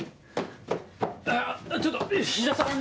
あっちょっと菱田さん。